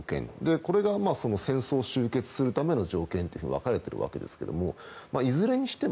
これが戦争終結するための条件と分かれているわけですけどもいずれにしても。